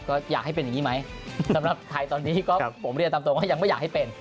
ก็อยากให้เป็นอย่างนี้ไหมสำหรับไทยตอนนี้ก็ผมเรียนตามตรงว่ายังไม่อยากให้เป็น